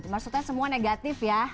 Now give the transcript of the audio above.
maksudnya semua negatif ya